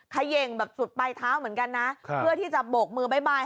ค่ะเย็งบัดสุดใบเท้าเหมือนกันนะเพื่อที่จะโบกมือบ๊ายบาย